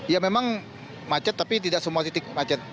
ya memang macet tapi tidak semua titik macet